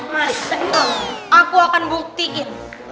masa itu aku akan buktiin